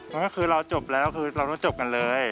มันก็คือเราจบแล้วคือเราต้องจบกันเลย